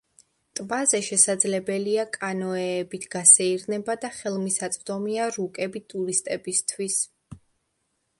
ტბაზე შესაძლებელია კანოეებით გასეირნება და ხელმისაწვდომია რუკები ტურისტებისთვის.